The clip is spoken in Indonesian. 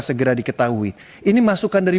segera diketahui ini masukan dari